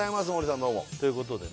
どうもということでね